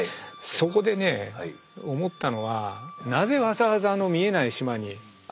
そこでね思ったのはなぜわざわざあの見えない島に行くかと。